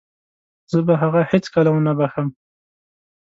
زه به هغه هيڅکله ونه وبښم.